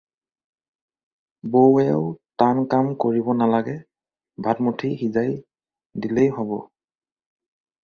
বৌৱেও টান কাম কৰিব নালাগে, ভাতমুঠি সিজাই দিলেই হ'ব।